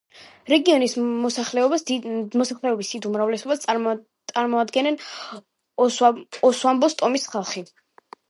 რეგიონის მოსახლეობის დიდ უმრავლესობას წარმოადგენენ ოვამბოს ტომის ხალხი.